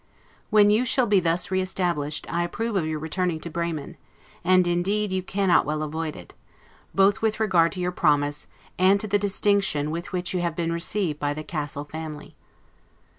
When you shall be thus re established, I approve of your returning to Bremen; and indeed you cannot well avoid it, both with regard to your promise, and to the distinction with which you have been received by the Cassel family.